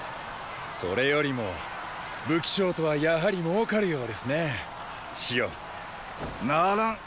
それよりも武器商とはやはり儲かるようですね師よ。ならん。